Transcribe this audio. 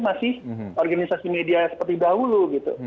masih organisasi media seperti dahulu gitu